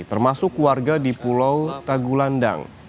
termasuk warga di pulau tagulandang